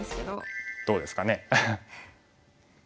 どうですかね。